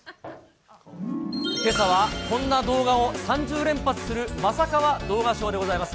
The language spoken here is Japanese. けさはこんな動画を３０連発するまさカワ動画ショーでございます。